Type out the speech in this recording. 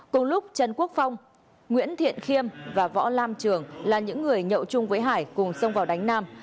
cùng lúc trần quốc phong nguyễn thiện khiêm và võ lam trường là những người nhậu chung với hải cùng xông vào đánh nam